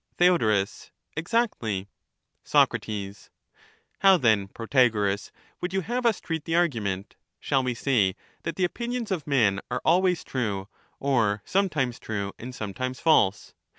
Theod. Exactly. Sac, How then, Protagoras, would you have us treat the argument ? Shall we say that the opinions of men are always true, or sometimes true and sometimes false